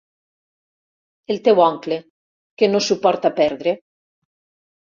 El teu oncle, que no suporta perdre.